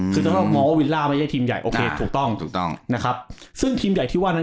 คือต้องมองว่าวิลล่าไม่ใช่ทีมใหญ่โอเคถูกต้องถูกต้องนะครับซึ่งทีมใหญ่ที่ว่านั้น